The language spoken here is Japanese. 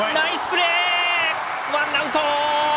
ワンアウト！